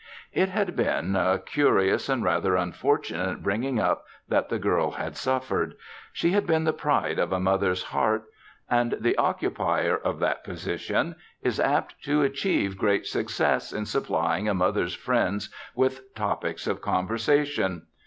It had been a curious and rather unfortunate bringing up that the girl had suffered. She had been the pride of a mother's heart and the occupier of that position is apt to achieve great success in supplying a mother's friends with topics of conversation.